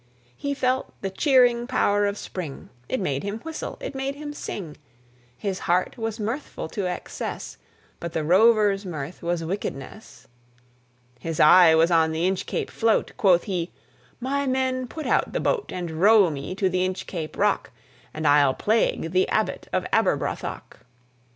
He felt the cheering power of spring; It made him whistle, it made him sing: His heart was mirthful to excess, But the Rover's mirth was wickedness. His eye was on the Inchcape float. Quoth he, "My men, put out the boat And row me to the Inchcape Rock, And I'll plague the Abbot of Aberbrothok."